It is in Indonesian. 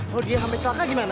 kalau dia sampai celaka gimana